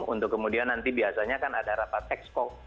untuk kemudian nanti biasanya kan ada rapat exco